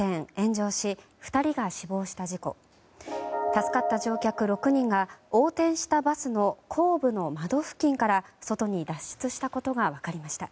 助かった乗客６人が横転したバスの後部の窓付近から外に脱出したことが分かりました。